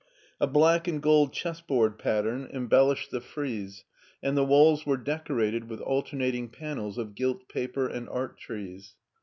A black and gold chessboard pattern embel 2Sa MARTIN SCHtJLER lished the frieze, and tfie walls were decorated with' alternating panels of gilt paper and art trees.